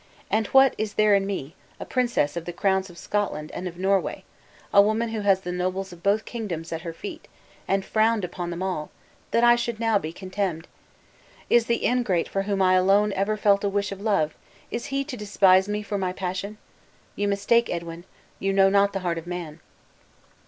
And what is there in me, a princess of the crowns of Scotland and of Norway a woman who has had the nobles of both kingdoms at her feet, and frowned upon them all that I should now be contemned? Is the ingrate for whom alone I ever felt a wish of love is he to despise me for my passion? You mistake, Edwin; you know not the heart of man."